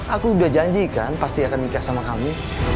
aku udah janjikan pasti akan nikah sama kamu